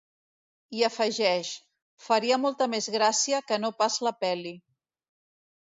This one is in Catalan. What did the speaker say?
I afegeix: faria molta més gràcia que no pas la pel·li.